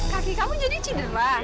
kaki kamu jadi cedera